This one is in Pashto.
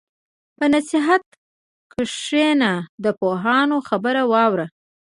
په نصیحت کښېنه، د پوهانو خبره واوره.